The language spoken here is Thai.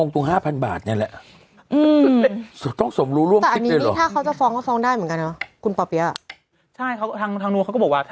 ตัวเค้าร่วมเสี่ยงใช้อยู่ทั้งรายการ